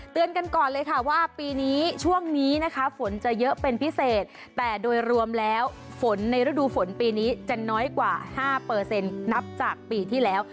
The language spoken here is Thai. กันก่อนเลยค่ะว่าปีนี้ช่วงนี้นะคะฝนจะเยอะเป็นพิเศษแต่โดยรวมแล้วฝนในฤดูฝนปีนี้จะน้อยกว่า๕นับจากปีที่แล้ว